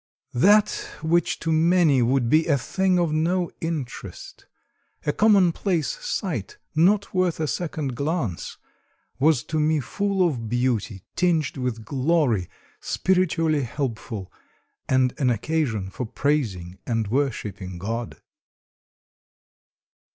That which to many would be a thing of no interest, a commonplace sight not worth a second glance, was to me full of beauty, tinged with glory, spiritually helpful, and an occasion for praising and worshiping God.